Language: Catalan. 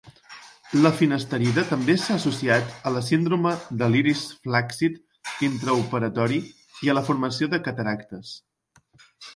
La finasterida també s'ha associat a la síndrome de l'iris flàccid intraoperatori i a la formació de cataractes.